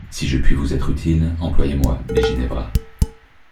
Si je puis vous être utile, employez-moi, dit Ginevra, j